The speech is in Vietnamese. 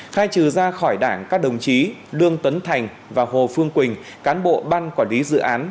khai trừ ra khỏi đảng các đồng chí đương tấn thành và hồ phương quỳnh cán bộ ban quản lý dự án